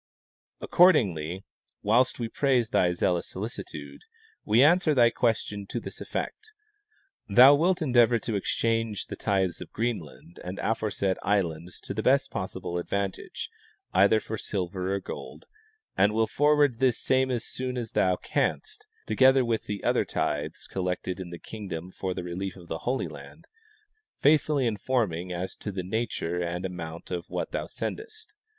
Accordingly, whilst we praise thy zealous solicitude, we answer thy question to this effect : thou wilt endeavor to exchange the tithes of Greenland and the aforesaid islands to the best possible advantage, either for silver or gold, and will forward this same as soon as thou canst, together with the other tithes collected in the kingdom for the relief of the Holy Land, faithfully informing as to the nature and amount of what thou sendest.